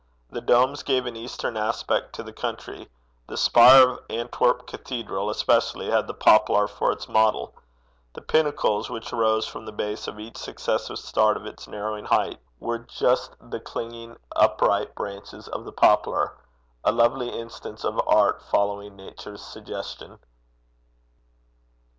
The domes gave an eastern aspect to the country. The spire of Antwerp cathedral especially had the poplar for its model. The pinnacles which rose from the base of each successive start of its narrowing height were just the clinging, upright branches of the poplar a lovely instance of Art following Nature's suggestion.